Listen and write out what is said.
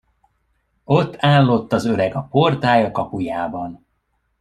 Ott állott az öreg a portája kapujában.